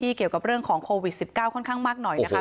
เกี่ยวกับเรื่องของโควิด๑๙ค่อนข้างมากหน่อยนะคะ